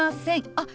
あっ。